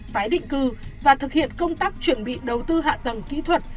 tái định cư và thực hiện công tác chuẩn bị đầu tư hạ tầng kỹ thuật